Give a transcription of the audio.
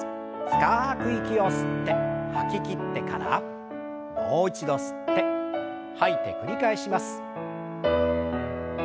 深く息を吸って吐ききってからもう一度吸って吐いて繰り返します。